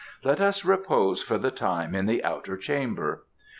Let us repose for the time in the outer chamber."